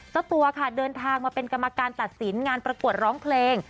เจ้าตัวค่ะเดินทางมาเป็นกรรมการตัดสินงานประกวดร้องเพลง